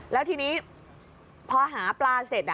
แล้วทีนี้พอหาปลาเสร็จ